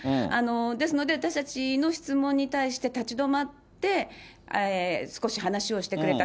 ですので、私たちの質問に対して、立ち止まって少し話をしてくれた。